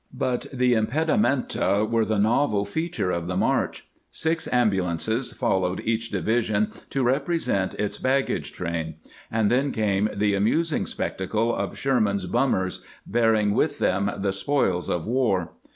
But the impedimenta were the novel feature of the march. Six ambulances followed each division to represent its bag gage train; and then came the amusing spectacle of " Sherman's bummers," bearing with them the " spoils of war."